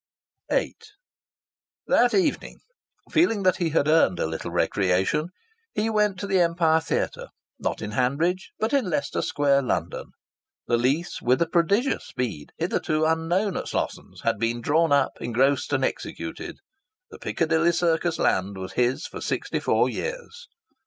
VIII That evening, feeling that he had earned a little recreation, he went to the Empire Theatre not in Hanbridge, but in Leicester Square, London. The lease, with a prodigious speed hitherto unknown at Slossons', had been drawn up, engrossed and executed. The Piccadilly Circus land was his for sixty four years.